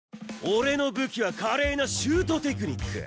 俺の武器は華麗なシュートテクニック！